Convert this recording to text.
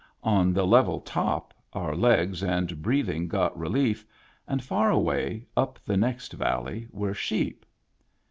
On the level top our legs and breathing got relief, and far away up the next valley were sheep.